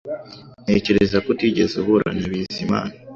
Ntekereza ko utigeze uhura na Bizimana